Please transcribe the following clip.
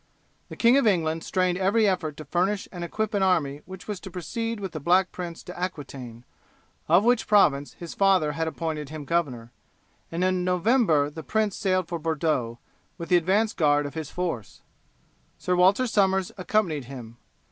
The King of England strained every effort to furnish and equip an army which was to proceed with the Black Prince to Aquitaine, of which province his father had appointed him governor, and in November the Prince sailed for Bordeaux, with the advance guard of his force. Sir Walter Somers accompanied him.